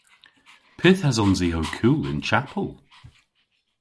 Pyth esons i ow kul y'n chapel?